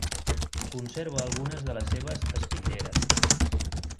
Conserva algunes de les seves espitlleres.